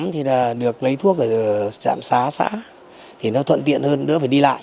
hai nghìn một mươi tám thì được lấy thuốc ở trạm xá xã thì nó thuận tiện hơn đỡ phải đi lại